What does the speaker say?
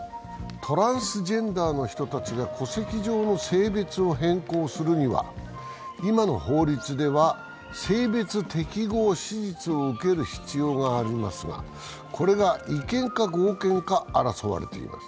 トランスジェンダーの人たちが戸籍上の性別を変更するには、今の法律では性別適合手術を受ける必要がありますがこれが違憲か合憲か争われています。